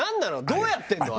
どうやってるの？